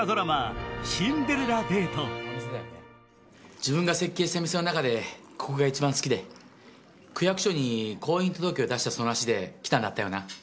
自分が設計した店の中でここが一番好きで区役所に婚姻届を出したその足で来たんだったよな。